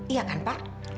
iya kan pak